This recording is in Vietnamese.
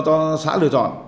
cho xã lựa chọn